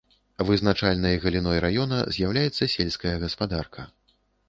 Вызначальнай галіной раёна з'яўляецца сельская гаспадарка.